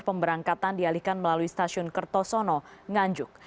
pemberangkatan dialihkan melalui stasiun kertosono nganjuk